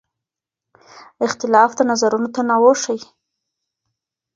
اختلاف د نظرونو تنوع ښيي.